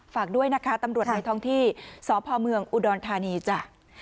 ฝากด้วยนะคะตำรวจในท้องที่สพเมืองอุดรธานีจ้ะ